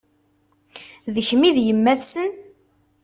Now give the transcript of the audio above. D kemm i d yemma-tsen?